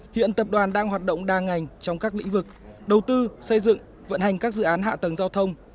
hiện tập đoàn đang hoạt động đa ngành trong các lĩnh vực đầu tư xây dựng vận hành các dự án hạ tầng giao thông